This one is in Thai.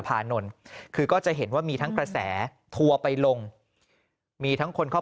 พานนคือก็จะเห็นว่ามีทั้งกระแสทัวร์ไปลงมีทั้งคนเข้า